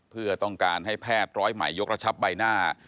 เพื่อต้องการให้แพทย์ร้อยใหม่ยกระชับใบหน้า